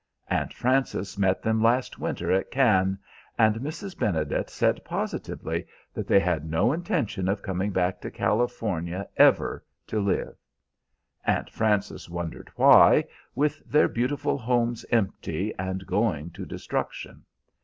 Aunt Frances met them last winter at Cannes, and Mrs. Benedet said positively that they had no intention of coming back to California ever to live. Aunt Frances wondered why, with their beautiful homes empty and going to destruction.